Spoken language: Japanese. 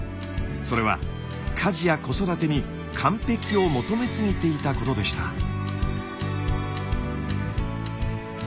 それは家事や子育てに完璧を求めすぎていたことでした。